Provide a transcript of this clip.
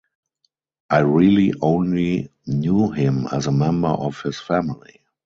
I really only knew him as a member of his family.